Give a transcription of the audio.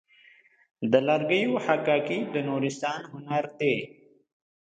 د لرګیو حکاکي د نورستان هنر دی.